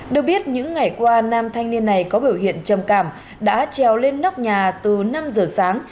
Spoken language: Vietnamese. được biết những ngày qua nam thanh niên này có biểu hiện trầm cảm đã treo lên nóc nhà từ năm giờ sáng